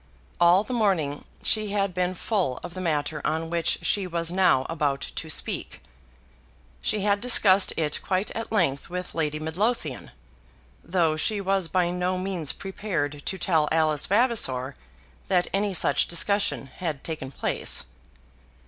All the morning she had been full of the matter on which she was now about to speak. She had discussed it quite at length with Lady Midlothian; though she was by no means prepared to tell Alice Vavasor that any such discussion had taken place.